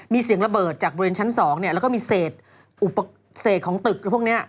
มีเสียงระเบิดจากบริเวณชั้น๒แล้วก็มีเศษของตึกพวกนี้